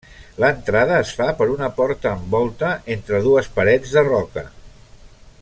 L'entrada es fa per una porta amb volta entre dues parets de roca.